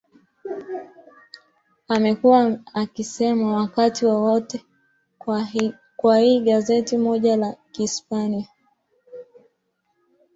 amekuwa akisema wakati wote kwa hiyo gazeti moja la hispania